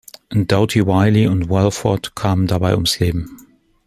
Doughty-Wylie und Walford kamen dabei ums Leben.